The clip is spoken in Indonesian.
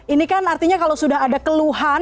ini kan artinya kalau sudah ada keluhan